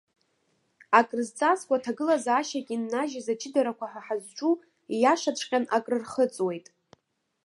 Акрызхыҵуа ҭагылазаашьак иннажьыз аҷыдарақәа ҳәа ҳазҿу, ииашаҵәҟьан акрырхыҵуеит.